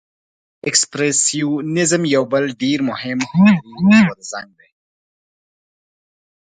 اکسپرسیونیزم یو بل ډیر مهم هنري غورځنګ دی.